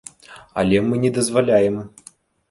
Але мы не дазваляем.